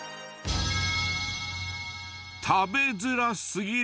食べづらすぎる！